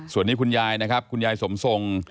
ส่วนนี้คุณยายนะครับคุณยายสมทรง